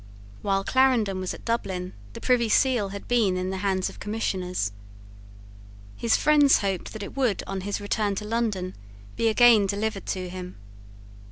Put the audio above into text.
While Clarendon was at Dublin the Privy Seal had been in the hands of Commissioners. His friends hoped that it would, on his return to London, be again delivered to him.